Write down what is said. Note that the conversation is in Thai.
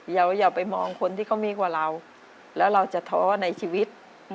อย่าไปมองคนที่เขามีกว่าเราแล้วเราจะท้อในชีวิต